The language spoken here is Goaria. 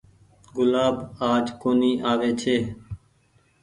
گلآب آج ڪونيٚ آوي ڇي۔